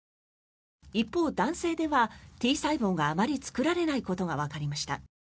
一方、男性ではＴ細胞があまり作られないことがわかりました。